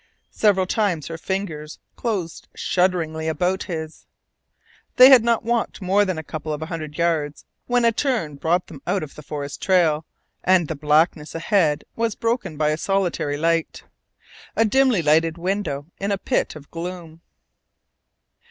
Several times her fingers closed shudderingly about his. They had not walked more than a couple of hundred yards when a turn brought them out of the forest trail, and the blackness ahead was broken by a solitary light, a dimly lighted window in a pit of gloom.